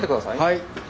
はい。